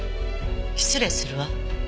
失礼するわ。